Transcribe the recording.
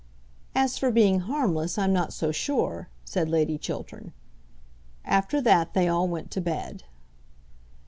"As for being harmless, I'm not so sure," said Lady Chiltern. After that they all went to bed.